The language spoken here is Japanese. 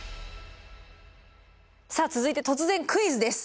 さあ続いて突然クイズです！